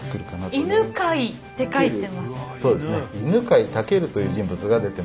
犬飼武という人物が出てまいります。